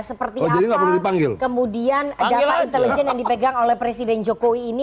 seperti apa kemudian data intelijen yang dipegang oleh presiden jokowi ini